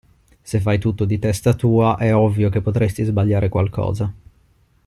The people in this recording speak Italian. Se fai tutto di testa tua, è ovvio che potresti sbagliare qualcosa.